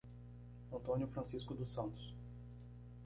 Antônio Francisco dos Santos